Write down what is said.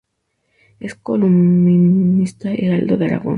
Es columnista de Heraldo de Aragón.